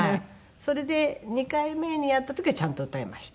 それで２回目にやった時はちゃんと歌えました。